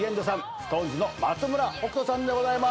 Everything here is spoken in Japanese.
ＳｉｘＴＯＮＥＳの松村北斗さんでございます。